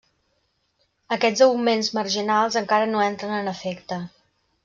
Aquests augments marginals encara no entren en efecte.